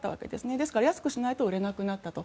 ですから、安くしないと売れなくなったと。